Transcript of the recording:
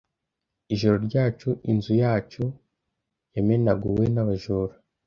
Ijoro ryacu inzu yacu yamenaguwe n’abajura.